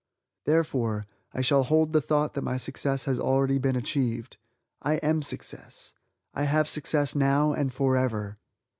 Therefore, I shall hold the thought that my success has already been achieved. I am Success, I have success now and forever!